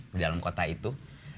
di dalam kota itu